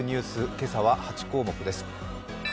今朝は８項目です。